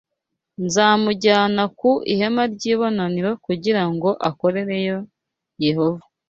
nzamujyana ku ihema ry’ibonaniro kugira ngo akorereyo Yehova